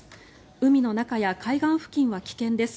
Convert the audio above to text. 海の中や海岸付近は危険です。